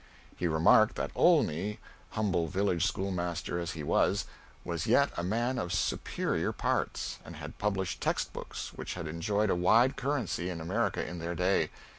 He remarked that Olney, humble village schoolmaster as he was, was yet a man of superior parts, and had published text books which had enjoyed a wide currency in America in their day.